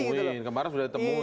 tapi kemarin sudah ditemuin